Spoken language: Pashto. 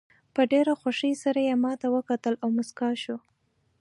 په ډېره خوښۍ سره یې ماته وکتل او موسکاه شوه.